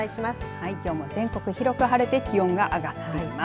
はい、きょうも全国広く晴れて気温が上がっています。